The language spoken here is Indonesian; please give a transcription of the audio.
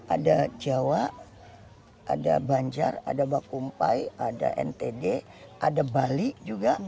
ada jawa ada banjar ada bakumpai ada ntd ada bali juga